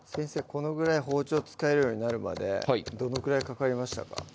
このぐらい包丁使えるようになるまでどのくらいかかりましたか？